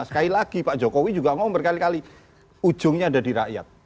sekali lagi pak jokowi juga ngomong berkali kali ujungnya ada di rakyat